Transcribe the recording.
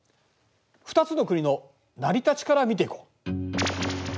２つの国の成り立ちから見ていこう。